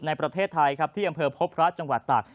ในประเทศไทยครับที่อำเภอพบพระจังหวัดตาก